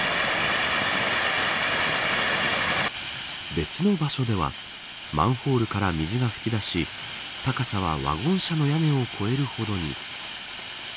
別の場所ではマンホールから水が噴き出し高さはワゴン車の屋根を超えるほどに。